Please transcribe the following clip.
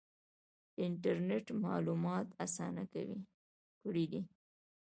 انټرنیټ معلومات اسانه کړي دي